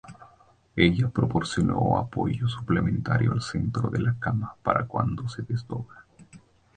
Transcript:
Ella proporcionó apoyo suplementario al centro de la cama para cuando se desdobla.